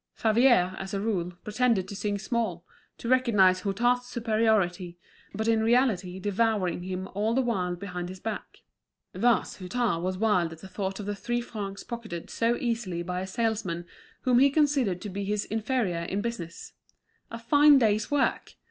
Favier, as a rule, pretended to sing small, to recognise Hutin's superiority, but in reality devouring him all the while behind his back. Thus Hutin was wild at the thought of the three francs pocketed so easily by a salesman whom he considered to be his inferior in business. A fine day's work!